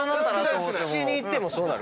どの雑誌に行ってもそうなる。